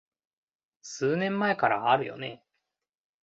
数年前からあるよね